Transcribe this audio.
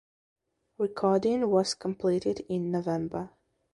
Recording was completed in November.